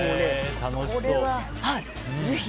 これはぜひ。